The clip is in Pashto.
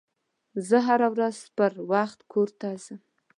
زه هره ورځ پروخت کور ته ځم